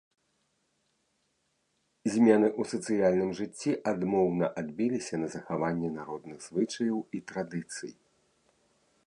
Змены ў сацыяльным жыцці адмоўна адбіліся на захаванні народных звычаяў і традыцый.